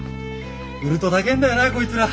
売ると高えんだよなこいつら。